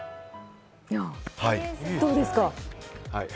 どうですか？